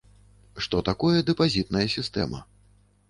Што такое дэпазітная сістэма?